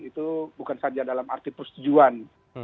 itu bukan saja dalam arti persetujuan